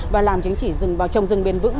và làm chứng chỉ rừng vào trồng rừng bền vững